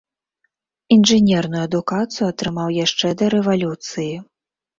Інжынерную адукацыю атрымаў яшчэ да рэвалюцыі.